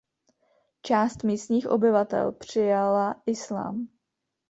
Část místních obyvatel přijala islám.